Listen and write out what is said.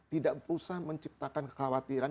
tidak usah menciptakan kekhawatiran